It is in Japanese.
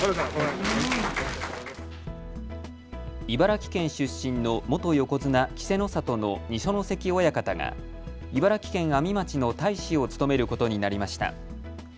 茨城県出身の元横綱・稀勢の里の二所ノ関親方が茨城県阿見町の大使を務めることになりました。